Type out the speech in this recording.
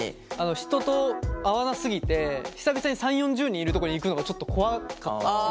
人と会わな過ぎて久々に３０４０人いるとこに行くのがちょっと怖かった。